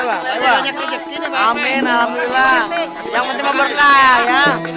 aamiin alhamdulillah yang penting memberkati ya